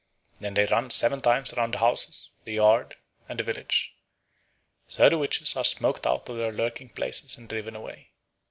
_" Then they run seven times round the houses, the yards, and the village. So the witches are smoked out of their lurking places and driven away.